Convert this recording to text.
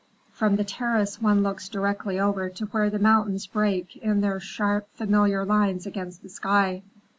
From the terrace one looks directly over to where the mountains break in their sharp, familiar lines against the sky.